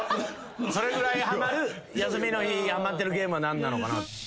それぐらいハマる休みの日ハマってるゲームは何なのかな。